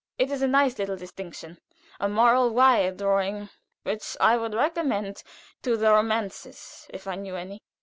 It is a nice little distinction a moral wire drawing which I would recommend to the romancers if I knew any."